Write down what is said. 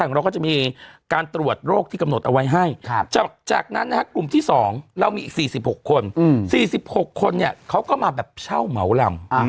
อังกษ์ที่ส่งแล้วคือคนเขาก็มาเช่าเหมาร่ำ